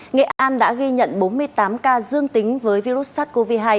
nghệ an đã ghi nhận bốn mươi tám ca dương tính với virus sars cov hai